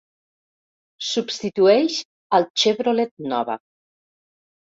Substitueix al Chevrolet Nova.